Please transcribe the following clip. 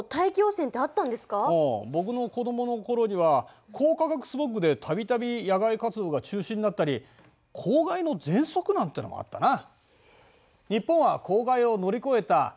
僕の子どもの頃には光化学スモッグでたびたび野外活動が中止になったり公害のぜんそくなんてのもあったな。